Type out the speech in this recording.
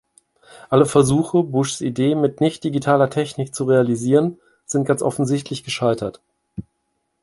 Alle Versuche, Bushs Idee mit nicht-digitaler Technik zu realisieren, sind ganz offensichtlich gescheitert.